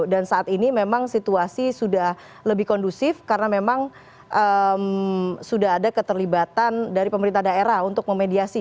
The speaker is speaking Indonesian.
dan saat ini memang situasi sudah lebih kondusif karena memang sudah ada keterlibatan dari pemerintah daerah untuk memediasi